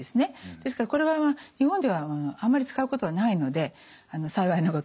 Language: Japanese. ですからこれは日本ではあんまり使うことはないので幸いなことに。